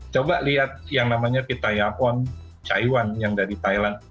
coba lihat yang namanya pita yapon chai wan yang dari thailand